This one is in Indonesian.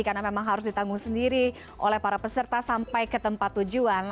karena memang harus ditanggung sendiri oleh para peserta sampai ke tempat tujuan